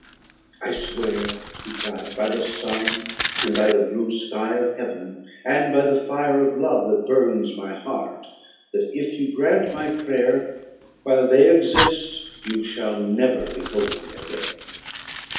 "I swear," he cried, "by the sun, and by the blue sky of Heaven, and by the fire of love that burns my heart, that if you grant my prayer, while they exist you shall never behold me again.